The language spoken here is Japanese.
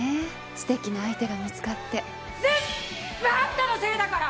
すてきな相手が見つかって全部あんたのせいだから！